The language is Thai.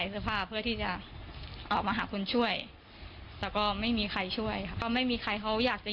หรือหรือหรือหรือหรือหรือหรือ